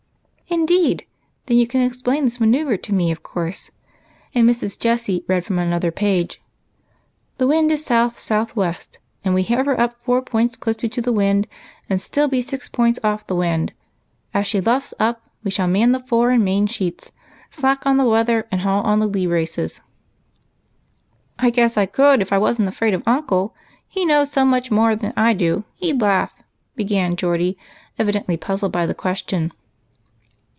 "Indeed; then you can explain this manoeuvre to me, of course —" and Mrs. Jessie read from another page the following nautical paragraph: —" The wind is south south west, and we can have her up four points closer to the wind, and still be six points off the wind. As she luffs up we shall man the fore and main sheets, slack on the weather, and haul on the lee braces." " I guess I could, if I was n't afraid of uncle. He knows so much more than I do, he'd laugh," began Geordie, evidently puzzled by the question.